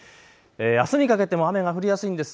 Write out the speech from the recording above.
あすにかけても雨が降りやすいんです。